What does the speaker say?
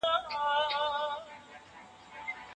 هیڅوک باید د خپل مذهب په خاطر ونه شړل سي.